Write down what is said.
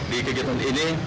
di kegiatan ini